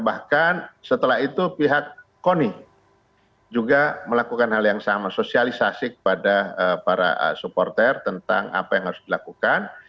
bahkan setelah itu pihak koni juga melakukan hal yang sama sosialisasi kepada para supporter tentang apa yang harus dilakukan